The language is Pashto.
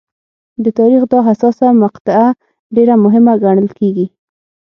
د تاریخ دا حساسه مقطعه ډېره مهمه ګڼل کېږي.